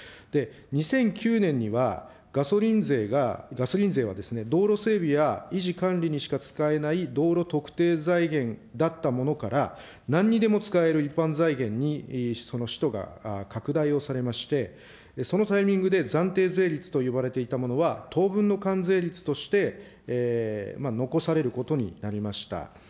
２００９年には、ガソリン税がガソリン税はですね、道路整備や維持管理にしか使えない道路特定財源だったものから、なんにでも使える一般財源に、その使途が拡大をされまして、そのタイミングで暫定税率と呼ばれていたものは、当分の間税率として残されることになりました。